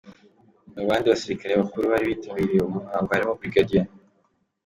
Mu bandi basirikare bakuru bari bitabiriye uwo muhango harimo Brig.